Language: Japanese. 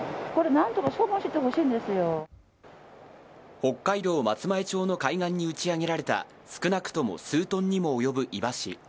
北海道松前町の海岸に打ち上げられた少なくとも数トンに及ぶイワシ。